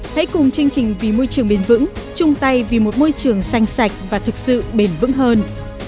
hãy cùng chương trình vì môi trường bền vững chung tay vì một môi trường xanh sạch và thực sự bền vững hơn